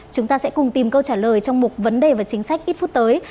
chúng ta sẽ cùng tìm câu trả lời trong một vấn đề và chính sách ít phút tới